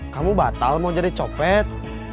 kamu batal mau jadi copet